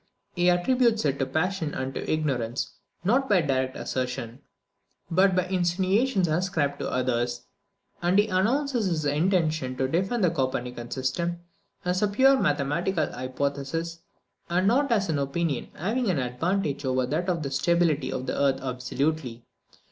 He attributes it to passion and to ignorance, not by direct assertion, but by insinuations ascribed to others; and he announces his intention to defend the Copernican system, as a pure mathematical hypothesis, and not as an opinion having an advantage over that of the stability of the earth absolutely.